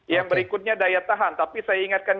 yang berikutnya daya tahan tapi saya ingatkan